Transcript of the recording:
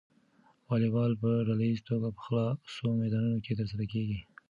واليبال په ډله ییزه توګه په خلاصو میدانونو کې ترسره کیږي.